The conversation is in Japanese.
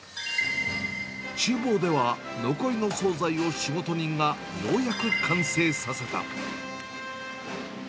ちゅう房では、残りの総菜を仕事人がようやく完成させた。